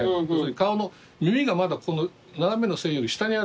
顔の耳がまだこの斜めの線より下にあるんですね。